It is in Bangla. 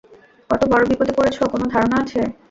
কত বড় বিপদে পড়েছ, কোনো ধারণা আছে?